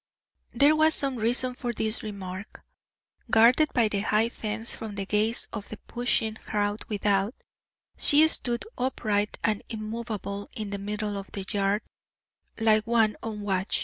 There was some reason for this remark. Guarded by the high fence from the gaze of the pushing crowd without, she stood upright and immovable in the middle of the yard, like one on watch.